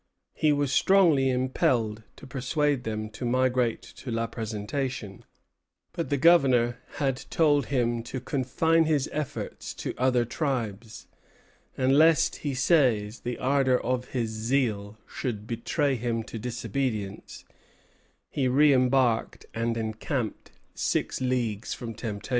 He was strongly impelled to persuade them to migrate to La Présentation; but the Governor had told him to confine his efforts to other tribes; and lest, he says, the ardor of his zeal should betray him to disobedience, he reimbarked, and encamped six leagues from temptation.